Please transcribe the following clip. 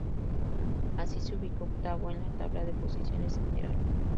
Así, se ubicó octavo en la tabla de posiciones general.